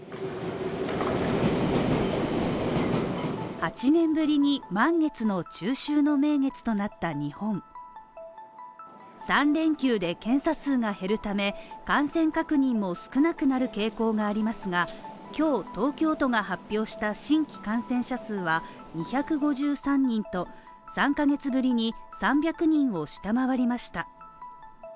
８年ぶりに満月の中秋の名月となった日本３連休で検査数が減るため感染確認も少なくなる傾向がありますが今日東京都が発表した新規感染者数は２５３人と３カ月ぶりに３００人を下回りました